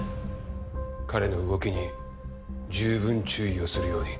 彼の動きに十分注意をするように。